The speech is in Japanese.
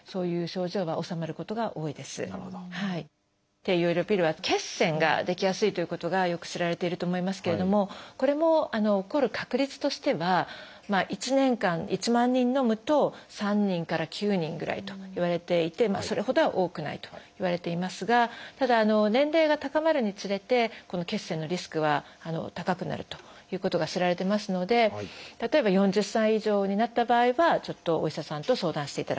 低用量ピルは血栓が出来やすいということがよく知られていると思いますけれどもこれも起こる確率としては１年間１万人のむと３人から９人ぐらいといわれていてそれほどは多くないといわれていますがただ年齢が高まるにつれてこの血栓のリスクは高くなるということが知られてますので例えば４０歳以上になった場合はちょっとお医者さんと相談していただくと。